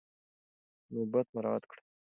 نوبت مراعات کړئ.